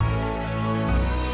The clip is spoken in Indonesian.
kada kouvertan kamu